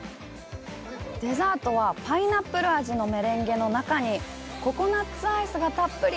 デザートは、パイナップル味のメレンゲの中にココナッツアイスがたっぷり！